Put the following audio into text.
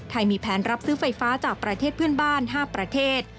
มีแผนรับซื้อไฟฟ้าจากประเทศเพื่อนบ้าน๕ประเทศ